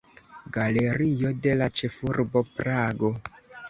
Galerio de la Ĉefurbo Prago.